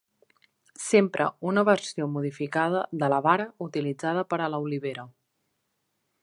S'empra una versió modificada de la vara utilitzada per a l'olivera.